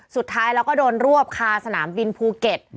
สุดท้ายแล้วก็โดนรวบคาสนามบินภูเก็ต